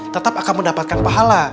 tetap akan mendapatkan pahala